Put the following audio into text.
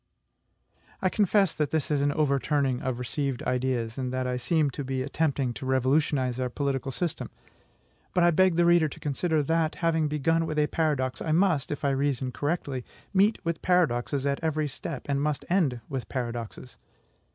I confess that this is an overturning of received ideas, and that I seem to be attempting to revolutionize our political system; but I beg the reader to consider that, having begun with a paradox, I must, if I reason correctly, meet with paradoxes at every step, and must end with paradoxes.